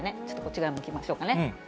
ちょっと、こっち側向きましょうかね。